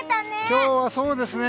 今日は、そうですね。